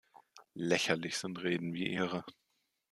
Lächerlich sind Reden wie Ihre.